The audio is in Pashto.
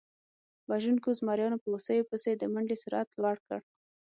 وژونکو زمریانو په هوسیو پسې د منډې سرعت لوړ کړ.